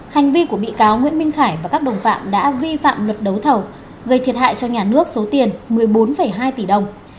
hành vi của bị cáo nguyễn minh khải và các đồng phạm đã vi phạm luật đấu thầu gây thiệt hại cho nhà nước số tiền một mươi bốn hai tỷ đồng